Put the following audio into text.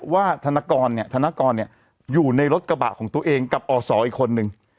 ว่าธนกรเนี้ยธนกรเนี้ยอยู่ในรถกระบะของตัวเองกับอ่อสออีกคนหนึ่ง